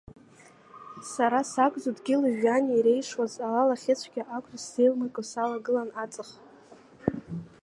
Сара сакәзу дгьыли жәҩани иреишуаз, ала лахьыцәгьа акәзу сзеилмырго салагылан аҵх…